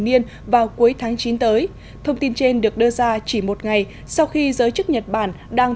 niên vào cuối tháng chín tới thông tin trên được đưa ra chỉ một ngày sau khi giới chức nhật bản đang